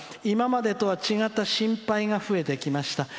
今までとは違った心配が増えてきました。